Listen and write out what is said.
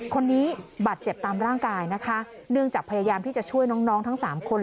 คนนี้บาดเจ็บตามร่างกายนะคะเนื่องจากพยายามที่จะช่วยน้องน้องทั้งสามคน